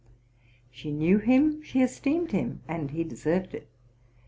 She knew him, she esteemed him, and he deserved it.